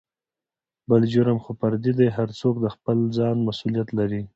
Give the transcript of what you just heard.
بل جرم خو فردي دى هر څوک دخپل ځان مسولېت لري.